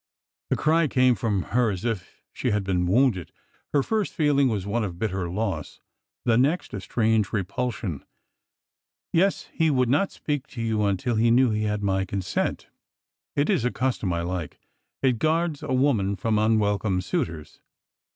The cry broke from her as if she had been wounded. Her first feeling was one of bitter loss ; the next, a strange repulsion. " Yes. He would not speak to you until he knew he had my consent. It is a custom I like. It guards a wo man from unwelcome suitors."